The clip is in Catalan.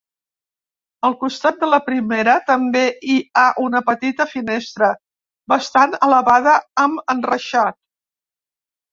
Al costat de la primera també hi ha una petita finestra, bastant elevada, amb enreixat.